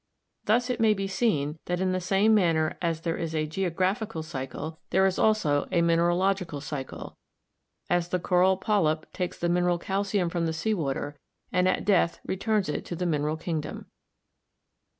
Thus it may be seen that in the same manner as there is a 'geographical cycle/ there is also a mineralog 259 260 GEOLOGY ical cycie, as the coral polyp takes the mineral calcium from the sea water, and at death returns it to the mineral kingdom.